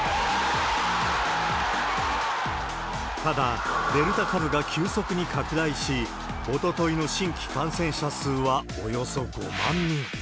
ただ、デルタ株が急速に拡大し、おとといの新規感染者数はおよそ５万人。